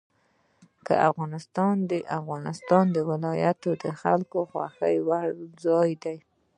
افغانستان کې د افغانستان ولايتونه د خلکو د خوښې وړ ځای دی.